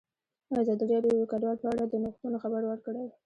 ازادي راډیو د کډوال په اړه د نوښتونو خبر ورکړی.